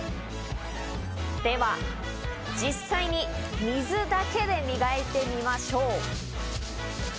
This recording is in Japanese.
では実際に水だけで磨いてみましょう。